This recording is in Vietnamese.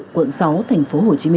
quận sáu tp hcm